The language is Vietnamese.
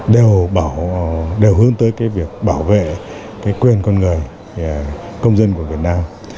đều hướng tới cái việc bảo vệ cái quyền con người công dân của việt nam